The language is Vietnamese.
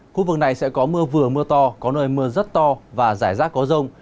khu vực này sẽ có mưa vừa mưa to có nơi mưa rất to và rải rác có rông